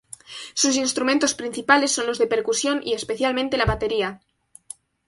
Sus instrumentos principales son los de percusión, y, especialmente, la batería.